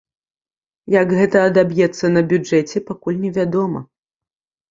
Як гэта адаб'ецца на бюджэце, пакуль невядома.